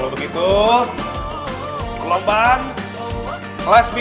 sopri maju kerbang sopri sopri